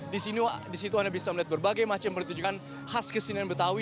di situ anda bisa melihat berbagai macam pertunjukan khas kesenian betawi